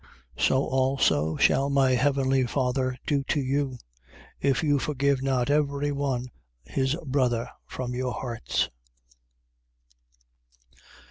18:35. So also shall my heavenly Father do to you, if you forgive not every one his brother from your hearts.